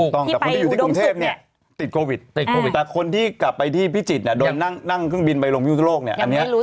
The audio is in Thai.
ที่ไปอุดมสุกเนี่ยติดโควิดแต่คนที่กลับไปที่พิจิตรเนี่ยโดนนั่งเครื่องบินไปลงพิศโรคเนี่ย